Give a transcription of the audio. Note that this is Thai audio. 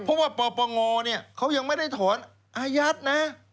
เพราะว่าปปงเนี่ยเขายังไม่ได้ถอนอายัดนะ